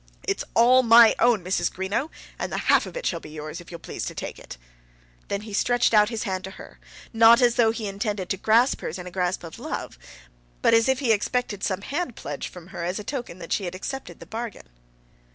"It's all my own, Mrs. Greenow, and the half of it shall be yours if you'll please to take it;" then he stretched out his hand to her, not as though he intended to grasp hers in a grasp of love, but as if he expected some hand pledge from her as a token that she accepted the bargain.